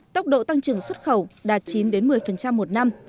tốc độ tăng trưởng xuất khẩu đạt chín một mươi một năm